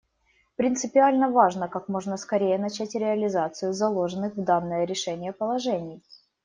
Принципиально важно как можно скорее начать реализацию заложенных в данное решение положений.